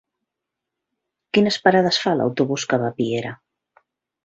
Quines parades fa l'autobús que va a Piera?